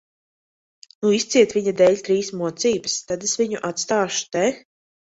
Nu, izciet viņa dēļ trīs mocības, tad es viņu atstāšu te.